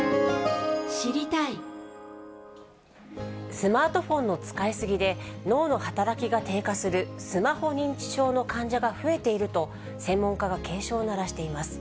スマートフォンの使い過ぎで、脳の働きが低下する、スマホ認知症の患者が増えていると、専門家は警鐘を鳴らしています。